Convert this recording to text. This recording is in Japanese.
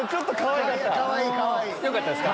よかったですか？